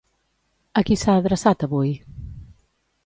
A qui s'ha adreçat avui?